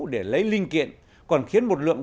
để lấy linh kiện còn khiến một lượng